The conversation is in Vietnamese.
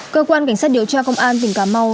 cơ quan cảnh sát điều tra công an tỉnh cà mau